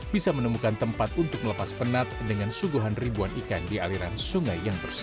bisa menemukan tempat untuk melepas penat dengan suguhan ribuan ikan di aliran sungai yang bersih